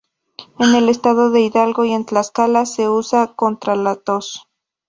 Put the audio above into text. En el Estado de Hidalgo y en Tlaxcala, se usa contra la tos.